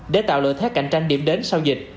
để tạo lợi thế cạnh tranh điểm đến sau dịch